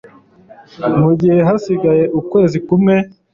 Mu gihe hasigaye ukwezi kumwe